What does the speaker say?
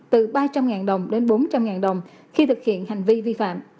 từ ba trăm linh đồng đến bốn trăm linh đồng khi thực hiện hành vi vi phạm